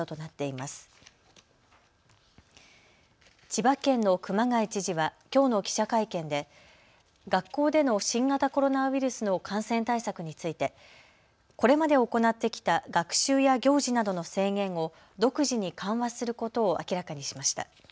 千葉県の熊谷知事は、きょうの記者会見で学校での新型コロナウイルスの感染対策についてこれまで行ってきた学習や行事などの制限を独自に緩和することを明らかにしました。